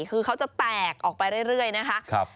คือเขาจะแตกออกไปเรื่อยนะคะ